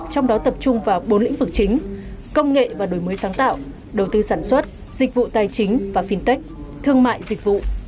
trong đó tập trung vào bốn lĩnh vực chính công nghệ và đổi mới sáng tạo đầu tư sản xuất dịch vụ tài chính và fintech thương mại dịch vụ